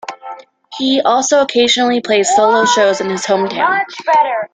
He also occasionally plays solo shows in his hometown.